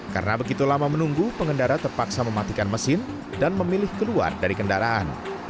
karena begitu lama menunggu pengendara terpaksa mematikan mesin dan memilih keluar dari kendaraan